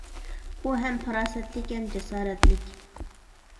ئۇ ھەم پاراسەتلىك ھەم جاسارەتلىك.